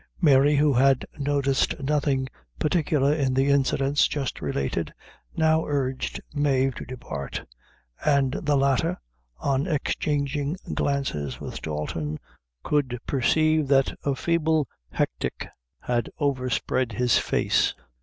Mary, who had noticed nothing particular in the incidents just related, now urged Mave to depart; and the latter, on exchanging glances with Dalton, could perceive that a feeble hectic had overspread his face.